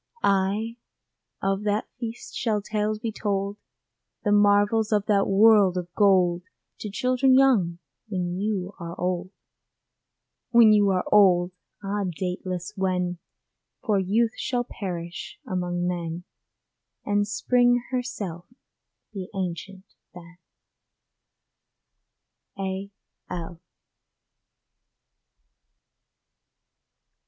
Ay, of that feast shall tales be told, The marvels of that world of gold To children young, when you are old. When you are old! Ah, dateless when, For youth shall perish among men, And Spring herself be ancient then. A. L.